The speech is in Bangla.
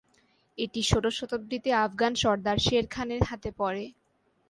এটি ষোড়শ শতাব্দীতে আফগান সর্দার শের খানের হাতে পড়ে।